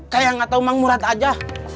kayak gak tahu mang murad aja